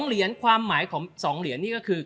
เหรียญความหมายของ๒เหรียญนี่ก็คือ